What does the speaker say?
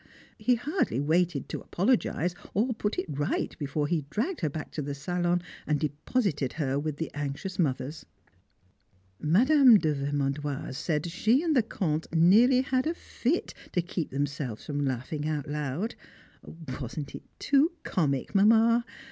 he hardly waited to apologise or put it right before he dragged her back to the salon and deposited her with the anxious mothers! [Sidenote: The Baronne's Diplomacy] Mme. de Vermandoise said she and the Comte nearly had a fit to keep themselves from laughing out loud. Wasn't it too comic, Mamma?